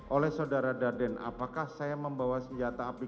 oleh saudara daden apakah saya membawa senjata api